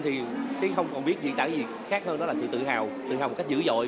thì tiến không còn biết diễn tả gì khác hơn đó là sự tự hào tự hào một cách dữ dội